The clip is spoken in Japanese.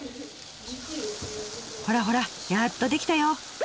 ほらほらやっと出来たよ！